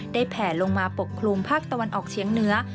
แผ่ลงมาปกคลุมภาคตะวันออกเชียงเหนือ